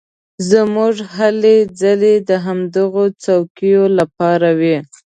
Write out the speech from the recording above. زموږ هلې ځلې د همدغو څوکیو لپاره وې.